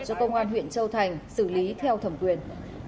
cho công an huyện châu thành xử lý theo thẩm quyền